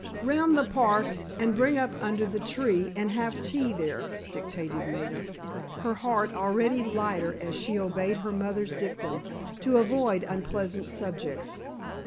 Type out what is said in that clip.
"Round the park, and bring up under the tree, and have tea there," dictated Maida, her heart already lighter as she obeyed her mother's dictum to avoid unpleasant subjects.